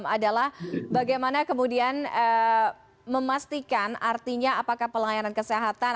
adalah bagaimana kemudian memastikan artinya apakah pelayanan kesehatan